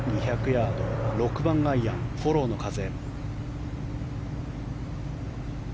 ２００ヤード６番アイアン、フォローの風。